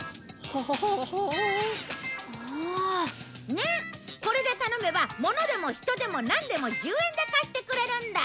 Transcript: ねっこれで頼めば物でも人でもなんでも１０円で貸してくれるんだ。